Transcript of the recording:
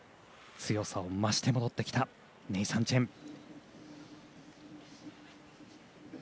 強さを増して戻ってきたネイサン・チェン。